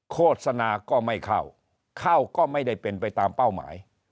โฆษณาก็ไม่เข้าเข้าก็ไม่ได้เป็นไปตามเป้าหมาย